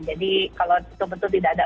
jadi kalau tentu tentu tidak ada